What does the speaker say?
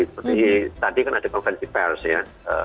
seperti tadi kan ada konferensi pers ya